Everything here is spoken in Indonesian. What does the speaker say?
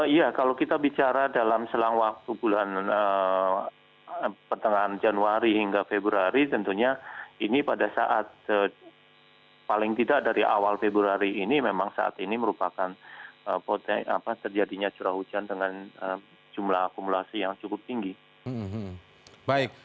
iya kalau kita bicara dalam selang waktu bulan pertengahan januari hingga februari tentunya ini pada saat paling tidak dari awal februari ini memang saat ini merupakan terjadinya curah hujan dengan jumlah akumulasi yang cukup tinggi